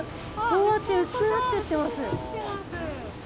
こうやって薄くなってってます。